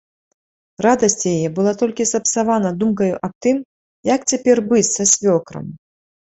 Радасць яе была толькі сапсавана думкаю аб тым, як цяпер быць са свёкрам.